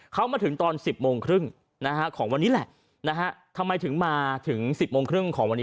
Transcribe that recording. เขามาถึงตอน๑๐โมงครึ่งนะฮะของวันนี้แหละนะฮะทำไมถึงมาถึง๑๐โมงครึ่งของวันนี้